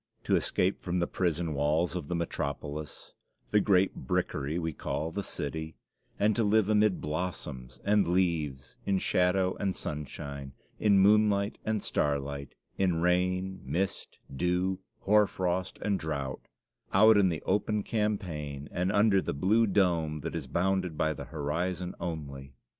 To escape from the prison walls of the metropolis the great brickery we call "the city" and to live amid blossoms and leaves, in shadow and sunshine, in moonlight and starlight, in rain, mist, dew, hoarfrost, and drought, out in the open campaign and under the blue dome that is bounded by the horizon only.